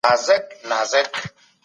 د تولیداتو کیفیت د سیالۍ لامل دی.